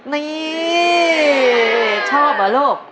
นี่ชอบเหรอลูก